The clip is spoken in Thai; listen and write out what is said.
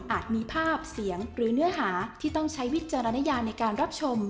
มีภาพเสียงหรือเนื้อหาที่ต้องใช้วิจารณญาในการรับชม